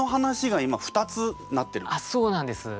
あっそうなんです。